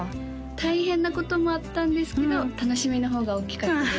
大変なこともあったんですけど楽しみの方が大きかったです